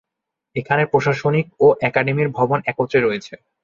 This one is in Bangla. এখানে প্রশাসনিক ও একাডেমির ভবন একত্রে রয়েছে।